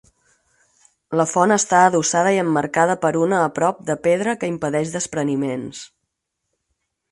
La font està adossada i emmarcada per una a prop de pedra que impedeix despreniments.